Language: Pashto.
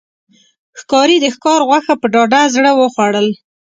ښکاري د ښکار غوښه په ډاډه زړه وخوړل.